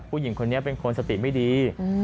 ผู้หญิงคนนี้เป็นคนสติไม่ดี